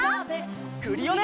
クリオネ！